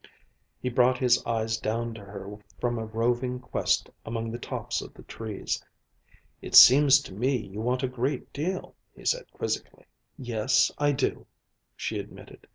He brought his eyes down to her from a roving quest among the tops of the trees. "It seems to me you want a great deal," he said quizzically. "Yes, I do," she admitted.